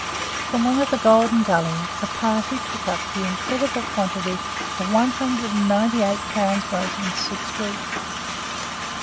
From one of the golden gullies a party took up the incredible quantity of one hundred and ninety eight pounds weight in six weeks.